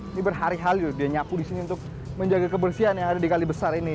ini berhari hari dia nyapu di sini untuk menjaga kebersihan yang ada di kalibesar ini